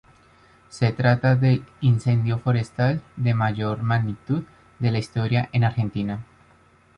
Se trata del incendio forestal de mayor magnitud de la historia en Argentina.